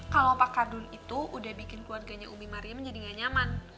kalau pak ardun itu udah bikin keluarganya umi maria menjadi gak nyaman